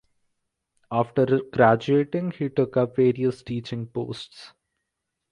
After graduating he took up various teaching posts.